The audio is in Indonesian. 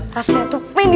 rasanya tuh penuh